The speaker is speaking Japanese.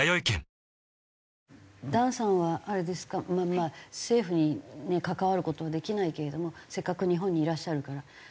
まあ政府に関わる事はできないけれどもせっかく日本にいらっしゃるから。